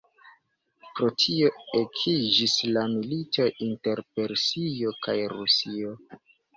Pro tio ekiĝis la milito inter Persio kaj Rusio.